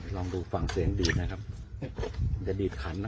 ลองดูฝั่งเสียงดีดนะครับจะดีดขันนะ